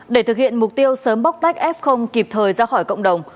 để thực hiện mục tiêu sớm bóc tách f kịp thời ra khỏi cộng đồng